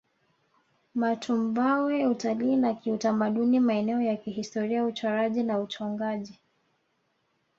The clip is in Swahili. Matumbawe Utalii wa kiutamaduni maeneo ya kihistoria uchoraji na uchongaji